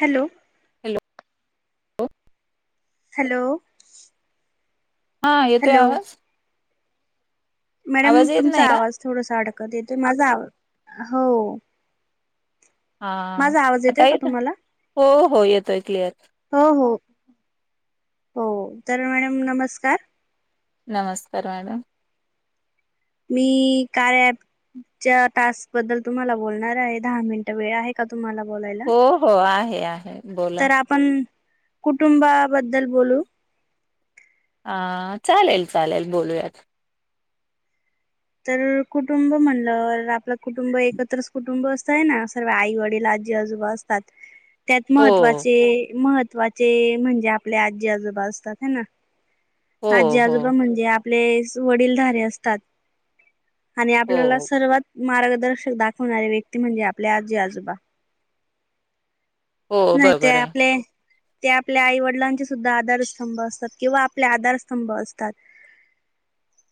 Hello hello hello हा येतोय hello आवाज मॅडम आवाज येत तुमचा नाही का आवाज थोडसा अडकत येतोय माझा आवा हो हा माझा आवाज आता येतोय का येत तुम्हाला हो हो येतोय क्लिअर. हो हो हो तर मॅडम नमस्कार नमस्कार मॅडम मी कार्य अँप च्या टास्क बद्दल तुम्हाला बोलणार आहे दहा मिनिट वेळ आहे का तुम्हाला बोलायला. हो हो आहे आहे. बोला तर आपण कुटुंबाबद्दल बोलू. ह चालेल चालेल बोलूयात. तर कुटुंब म्हणलं आपलं कुटुंब एकत्रच कुटुंब असतंय ना सर्व आई वडील आज जी आजोबा असतात. त्यात हो महत्त्वाचे महत्त्वाचे म्हणजे, आपले आजी आजोबा असतात हेना हो आजी हो आजोबा म्हणजे आपले वडीलधारे असतात. आणि हो आपल्याला सर्वात मार्गदर्शक दाखवणारी व्यक्ती म्हणजे आपले आजी आजोबा. हो नाय ते बरोबर आहे आपले ते आपल्या आई वडिलांचे सुद्धा आधारस्तंभ असतात किंवा, आपले आधारस्तंभ असतात.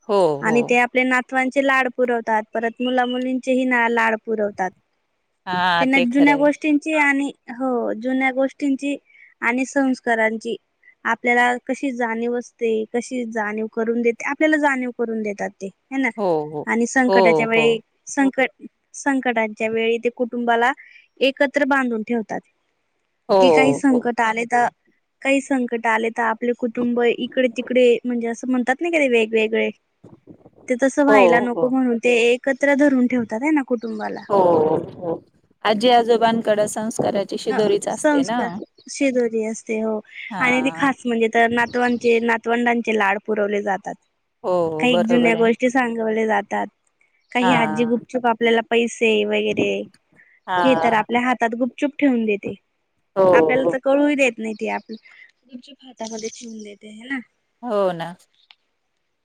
हो हो आणि त्या आपले नातवांचे लाड पुरवतात परत मुला मुलींचेही ना लाड पुरवतात. हा त्यांना ते खरं जुन्या आहे गोष्टींची, आणि हो जुन्या गोष्टींची आणि संस्कारांची आपल्याला कशी जाणीव असते कशी जाणीव करून देते आपल्याला जाणीव करून देतात ते. हेना हो हो आणि हो संकटाच्या हो वेळी संकट संकटांच्या वेळी ते कुटुंबाला एकत्र बांधून ठेवत. तात हो की काही हो संकट आले त काही संकट आले तर आपले कुटुंब इकडे तिकडे म्हणजे असं म्हणतात ना का ते वेगवेगळे ते तस हो व्हायला हो नको म्हणून ते एकत्र धरून ठेवतात हाय ना कुटुंबाला. हो हो. आजी आजोबांकड संस्कारा ह संस्कार शिदोरी असते हो हा आणि ती खास म्हणजे नातवांचे नातवंडांचे लाड पुरवले जातात हो काही जुन्या बरोबर आहे गोष्टी सांगवले जातात काही हा आजी गुपचुप आपल्याला पैसे वगैरे हे तर हा आपल्या हातात गुप ठेवून देते आपल्याला हो त कळू ही देत नाही ते आपल्या तुमच्या भातामध्ये चिवून देते ह ना. हो ना.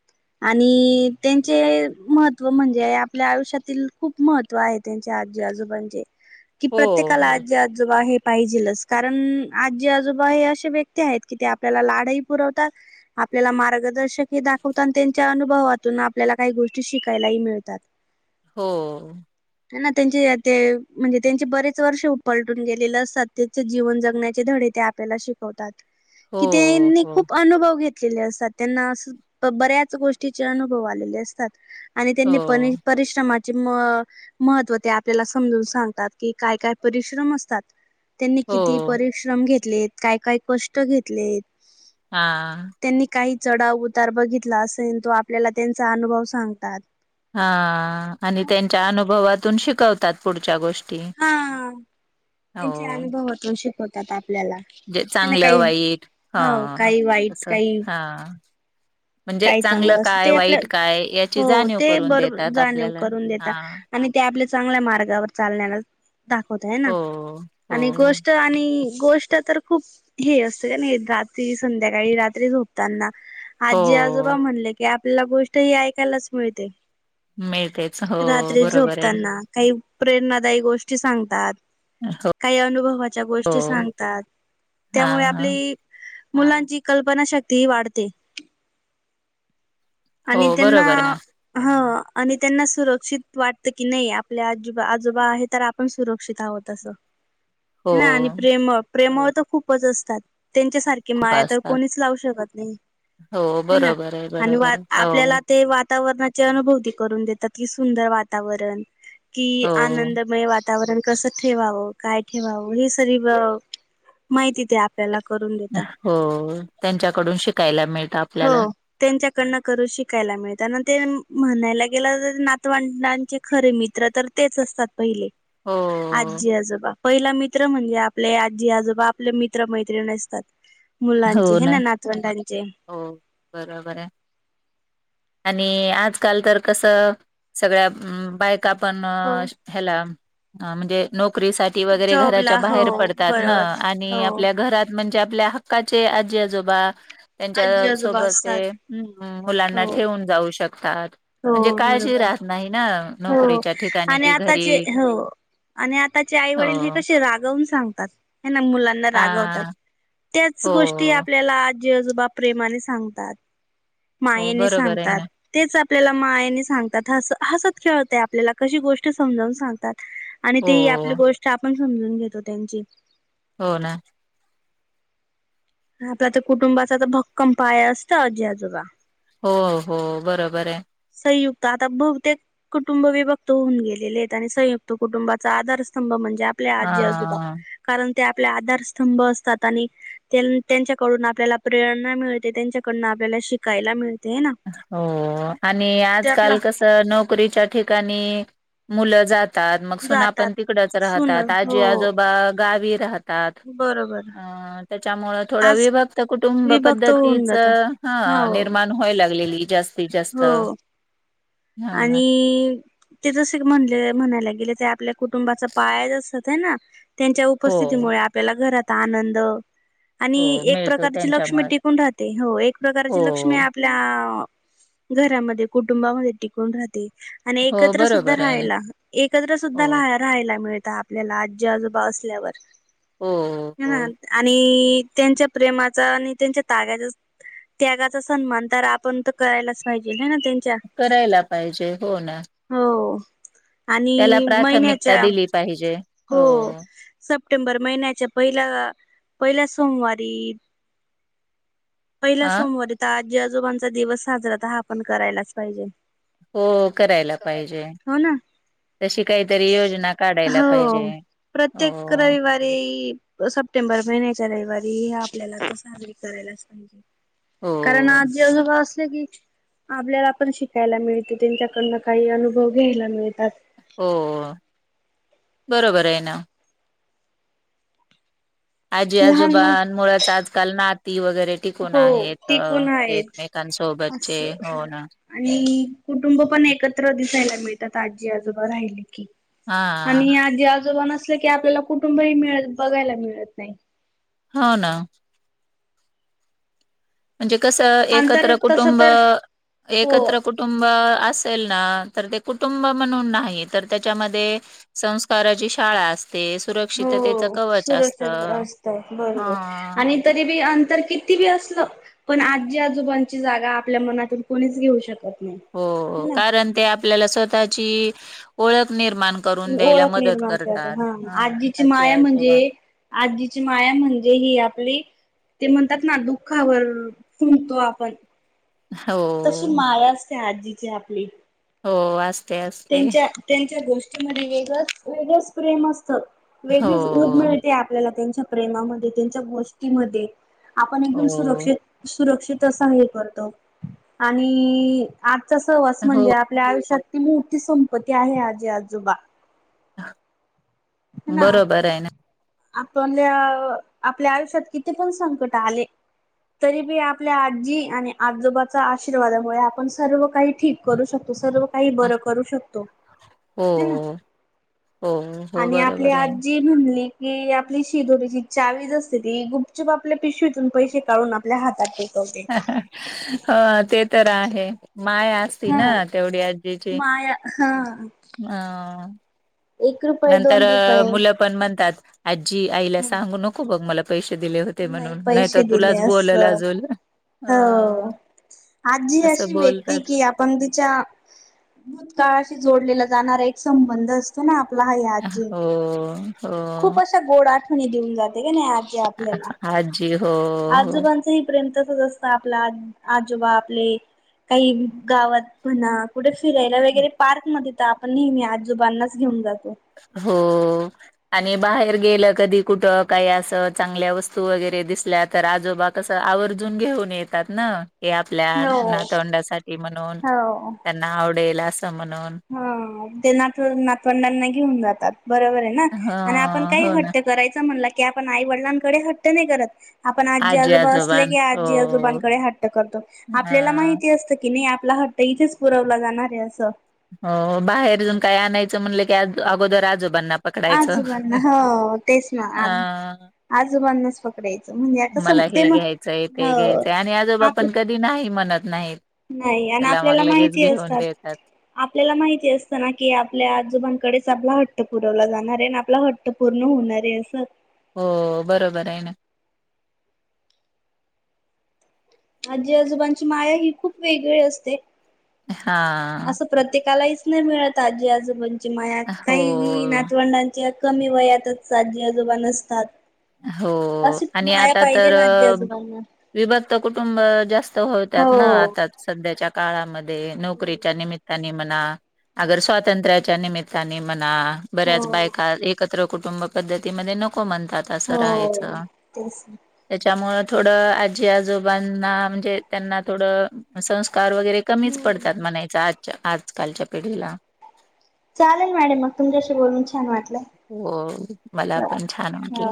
हे आणि त्यांचे महत्त्व म्हणजे आपल्या आयुष्यातील खूप महत्व आहे त्यांच्या आजी आजोबांचे की हो प्रत्येक हो आजोबा हे पाहिजेलस कारण आजी आजोबा हे असे व्यक्ती आहेत, की ते आपल्याला लाडाही पुरवतात. आपल्याला मार्गदर्शक हे दाखवत आणि त्यांच्या अनुभवातून आपल्याला काही गोष्टी शिकायलाही मिळतात. ह हो त्यांचे ते म्हणजे त्यांचे बरेच. वर्ष उपलटून गेलेलं सततेचे जीवन जगण्याचे धडे ते आपल्याला शिक की हो त्यांनी हो खूप अनुभव घेत ले असतात त्यांना अस बऱ्याच गोष्टीचे अनुभव आलेले असतात. आणि त्यांनी पर हो परिश्रमाचे म महत्त्व ते आपल्याला समजून सांगतात. की काय काय परिश्रम असतात, त्यांनी किती हो पर श्रम घेतलेत काय काय कष्ट घेतलेत. हा त्यांनी काही चढा उतार बघितला असेल तो आपल्याला त्यांचा अनुभव सांगतात. हा आणि त्यांच्या अनुभवातून शिकवतात. पुढच्या गोष्टी हा त्यांचे हो अनुभव होतो शिकवतात. आपल्याला जे ना चांगलं काही वाईट हा हो काही वाईट तसं काही हा म्हणजे काय चांगलं काय ते आपल्या वाईट काय याची हो जाणीव ते करून बरोबर देतात जाणीव आपल्याला करून हा देेतात. आणि ते आपल्या चांगल्या मार्गावर चालण्याला दाखवत आहे. ना हो हो आणि गोष्ट आणि गोष्ट तर खूप हे असतं का नाही रात्री संध्याकाळी रात्री झोपताना. हो जी आजोबा म्हणले की आपल्याला गोष्ट ही ऐकायलाच मिळते. मिळतेच. हो रात्री बरोबर आहे झोपताना काही प्रेरणादायी गोष्टी सांगतात. काही अनुभवाच्या हो गोष्टी सांगतात हा त्यामुळे आपली मुलांची कल्पना शक्ती ह वाढते. आणि हो त्यांना बरोबर ना ह आणि त्यांना सुरक्षित वाटतं की नाही आपल्या आजोबा आजोबा आहे तर पण सुरक्षित आहोत असं. ह हो ना आणि प्रेम प्रेमळ तर खूपच असतात त्यांच्या सारखे की खूप माया तर असतात कोणीच लावू शकत नाही. हो ह ना बरोबर आहे आणि वा बरोबर आहे हो आपल्याला ते वातावरणा अनुभूती करून देतात कि सुंदर वातावरण कि हो आनंदमय वातावरण कसं ठेवावं काय ठेवावं हे सरी माहिती ते आपल्याला करून देता. हो त्यांच्याकडून शिकायला मिळतात. हो. त्यांच्याकडन करून शिकायला मिळतात, आणि ते म्हणायला गेलं नातवाडांचे खरे मित्र तर तेच असतात पहिले. हो आजी, आजोबा पहिला मित्र म्हणजे आपले आजी, आजोबा आपले मित्र मैत्रीण असतात. मुलांचे हे ना नातवंडांचे हो बरोबर आहे. आणि आजकाल तर कसं सगळ्या बायक ण हो ह म्हणजे न वगैरे घराच्या जॉबला हो बाहेर पडतात ना बरोबर आणि हो आपल्या घरात म्हणजे आपल्या हक्काचे आजी आजोबा आजी त्यांच्या आजोबा सोबत ते असतात मुलांना हो ठेवून जाऊ शकतात हो म्हणजे काळजी बरोबर राहत नाही ना हो नोकरीच्या ठिकाणी आणि कि घरी आताचे हो आणि आताचे आई वडील हे हो कसे रागवून सांगतात ह ना मुलांना रागवतात हा त्याच हो गोष्टी आपल्याला आ बा प्रेमाने सांगतात हो मायेने बरोबर आहे सांगतात ना तेच आपल्याला मायाने सांगतात हस हसत खेळत आपल्याला कशी गोष्ट समजाून सांगतात आणि हो ते ही आपली गोष्ट आपण समजून घेतो त्यांची हो ना आपला तर कुटुंबाचा तर भक्कम पाय असत आजी आजोबा हो हो बरोबर आहे संयुक्त आता बहुतेक कुटुंब विभक्त होऊन गेलेले आहेत आणि संयुक्त कुटुंबाचा आधारस्तंभ म्हणजे आपल्या आजी आजोबा हा कारण ते आपले आधारस्तंभ असतात आणि त्यांच्याकडून आपल्याला प्रेरणा मिळते त्यांच्याकडून आपल्याला शिकायला मिळते ना हो आणि ते आपला आजकाल कस नोकरीच्या ठिकाणी मुलं जात ात मग सुना जातात पण तिकडच सुन राहतात हो आजी आजोबा गावी राहत बरोबर अ त्याच्यामुं थोडं आज विभक्त कुटुंब विभक्त होऊन पद्धतीच जात ह हो निर्माण होय लागलेली जास् हो ना आणि ते जसे म्हणले म्हणायला गेले ते आपल्या कुटुंबाचा पाया असत आहे ना त्यांच्या हो उपस्थितीमुळे आपल्याला घरात आनंद आणि हो एक मिळतो प्रकारची लक्ष्मी त्यांच्यामुळे टिकून राहते हो एक प्रकारची हो लक्ष्मी आपल्या अ घरामध्ये कुटुंबामध्ये टिकून राहते आणि हो एकत्र सुद्धा बरोबर आहे ना राहायला एकत्र हो सुद्धा राहा राहायला मिळत आपल्याला आजी आजोबा असल्यावर हो ह हो आणि त्यांच्या प्रेमाचा आणि त्यांच्या त्यागाचा त्यागाचा सन्मान तर आपण तर करायलाच पाहिजे ना करायला पाहिजे हो ना हो आणि त्याला प्राथमिकता महिन्याच्या दिली पाहिजे हो सप्टेंबर महिन्याच्या पहिल्या पहिल्या सोमवारी पहिला हा सोमवारी तर आजी आजोबांचा दिवस साजरा त हा आपण करायलाच पाहिजे हो करायला पाहिजे हो ना तशी काहीतरी योजना काढायला पाहिजे हो ते सप्टेंबर महिन्याच्या रविवारी आपल्याला तर साजरी करायलाच पाहिजे हो कारण आजओद वाासले की आपल्याला पण शिकायला मिळत त्यांच्याकडन काही अनुभव घ्यायला मिळतात हो बरोबर आहे ना आजी लहान मुल आजोबां मुच आजकाल नाती वगैरे कोण हो आहेत ते पण आहेत एकमेकांसोबतचे असं होन आणि कुटुंब पण एकत्र दिसायला मिळतात आजी आजोबा राहिली की हा आणि आजी आजोबा नसले की आपल्याला कुटुंबही मिळत बघायला मिळत नाही हो ना म्हणजे कसं अंतर एकत्र तस कुटुंब तर हो एकत्र कुटू कुटुंब असेल ना तर ते कुटुंब म्हणून नाही तर त्याच्यामध्ये संस्काराची शाळा असते हो सुरक्षिततेच कवच सुरक्षित असतं असत बरोबर हा आणि तरी बी अंतर किती बी असलं पण आजी आजोबांची जागा आपल्या मनातून कोणीच घेऊ शकत नाही. ह हो ना कारण ते आपल्याला स्वतःची ओळख निर्माण करून द्यायला ओळख मदत निर्माण करत करतात हा आजीची आजी माया म्हणजे आजोबा आजीची माया म्हणजे ही आपली ते म्हणतात ना दुःखावर फुंकतो आपण हो तशी माया असते आजीची आपली हो अस त्यांच्या त्यांच्या गोष्टीमध्ये वेगळंच वेगळंच प्रेम असतं हो वेगळीच ऊब मिळते आपल्याला त्यांच्या प्रेमामध्ये त्यांच्या गोष्टीमध्ये आपण एकदम हो सुरक्षित सुरक्षित असं हे करतो आणि आजचा सहवास हो म्हणजे आपल्या आयुष्यात ती मोठी संपत्ती आहे आजी आजोबा ह ना बरोबर आहे ना आपल्या आपल्या आयुष्यात किती पण संकट आले तरी बी आपल्या आजी आणि आजोबाचा आशीर्वादामुळे आपण सर्व काही ठीक करू शकतो सर्व काही बरं करू शकतो हो हे ना हो हो आणि आपली बरोबर आहे आजी म्हणली की आपली शिदोरीची चावीच असते ती गुपचुप आपल्या पिशवीतून पैसे काढून आपल्या हातात दे ह ते तर आहे माय असती हा ना तेवढी आजी माया हा. ह एक रुपये नंतर दोन अ रुपये मुलं पण म्हणतात आजी आईला सांगू नको बग पैसे दिले होते नाही म्हणून नाहीतर पैसे दिले तुलाच बोलल असं अजून हो आजी असं अशी व्यक्ती बोलतात कि आप पण तिच्या भूतकाळाशी जोडलेला जाणारा एक संबंध असतो. अस ना आपला या आजी हो खूप हो. अशा गोड आठवणी देऊन जाते की नाही आजी आपल्याला आजी हो हो आजोबांचं प्रेम तसंच असतं आपला आजोबा आपले काही गावात म्हणा कुठे फिरायला वगैरे पार्क मध्ये तर आपण नेहमी आजोबांनाच घेऊन जातो. हो. आणि बाहेर गेलं कधी कुठं काही असं चांगल्या वस्तू वगैरे दिसल्या तर आजोबा तसं आवर्जून घेऊन येतात ना हे आपल्या हो. नातवंडासाठी म्हणून त्यांना आवडेल असं म्हणून हा ते नात नातवंडांना घेऊन जातात बरोबर आहे ना ह आणि आपण काही हो ना हट्ट करायच म्हणला की आपण आई वडिलांकडे हट्ट नाही करत आपण आजी आजोबा असले आजोबान की हो आजी आजोबांकडे हट्ट करतो हा आपल्याला माहिती असतं की नायी आपला हट्ट इथेच पुरवला जाणार आहे असं हो बाहेरुन काय आणायचं म्हणलं की अगोदर आजोबांना पकडायचं आजोबांना हो तेच ना अ आजोबांनाच फक्त द्यायचं म्हणजे आता ते मला संपते हे ना हो आता ती नाही म्हणत नाहीत. नाही आणि त्याला मग आपल्याला लगेच माहिती घेऊन असतात. देतात आपल्याला माहिती असत ना की आपल्या आजोबांकडेच आपला हट्ट पुरवला जाणार आहे आणि आपला ह पूर्ण होणार आहे असं. हो बरोबर आहे ना. आजी आजोबांची माया ही खूप वेगळी असते. हा. असं प्रत्येकालाहीच नाही मिळत आजी-आजोबंची माया हो काही ही नातवंडांच्या कमी वयातच आजी-आजोबा नसतात. हो अशी आणि माया आता पाहिजे तर ना आजी अ. आजोबांना विभक्त कुटुंब जास्त होतात ना हो आता सध्याच्या काळामध्ये. नोकरीच्या हो निमित्ताने म्हणा, अगर स्वातंत्र्याच्या निमित्ताने म्हणा. बऱ्याच बायका एकत्र कुटुंब पद्धतीमध्ये नको म्हणतात. असं हो राहायचं. तेच त्याच्यामुळ थोडं आजी-आजोबांना म्हणजे त्यांना थोडं संस्कार वगैरे कमीच हम्म पडतात म्हणायचं आजच्या आजकालच्या पिढीला. चालेल मॅडम मग तुमच्याशी बोलून छान वाटल. हो मला पण छान वाटलं.